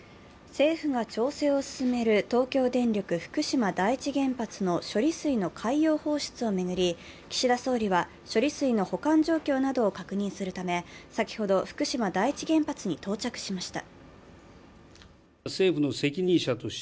政府が調整を進める東京電力・福島第一原発の処理水の海洋放出を巡り、岸田総理は処理水の保管状況などを確認するため先ほど福島第一原発に到着しました。